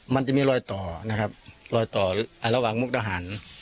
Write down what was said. มันจะมีรอยต่อนะครับรอยต่อระหว่างมุกดาหาร